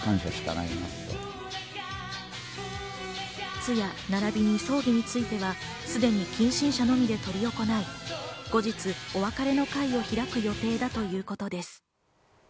通夜・並びに葬儀については、すでに近親者のみで執り行い、後日お別れの会を開く予定だということです。